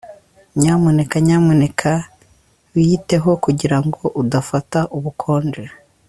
Nyamuneka nyamuneka wiyiteho kugirango udafata ubukonje